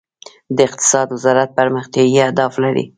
د اقتصاد وزارت پرمختیايي اهداف لري؟